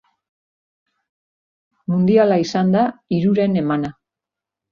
Mundiala izan da hiruren emana.